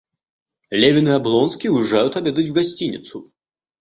Левин и Облонский уезжают обедать в гостиницу.